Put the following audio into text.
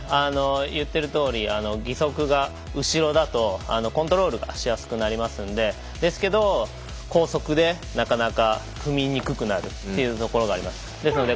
言っているとおり義足が後ろだとコントロールがしやすくなりますのでですけど高速でなかなか踏みにくくなるというところがあります。